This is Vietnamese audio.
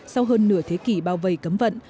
sau hơn nửa thế kỷ bao vầy cấm vận